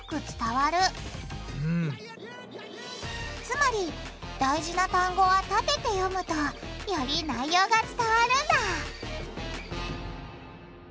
つまり大事な単語はたてて読むとより内容が伝わるんだ！